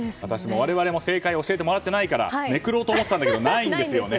我々も正解を教えてもらってないからめくろうと思ったんだけどないんですよね。